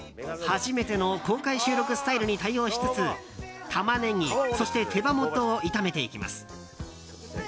初めての公開収録スタイルに対応しつつタマネギ、手羽元を炒めていきます。